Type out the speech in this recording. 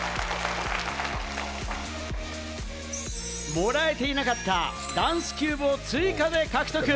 もらえていなかったダンスキューブを追加で獲得！